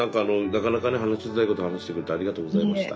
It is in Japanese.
なかなかね話しづらいことを話してくれてありがとうございました。